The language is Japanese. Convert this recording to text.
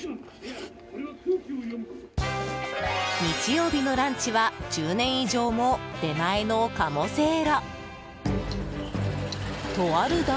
日曜日のランチは１０年以上も出前の鴨せいろ。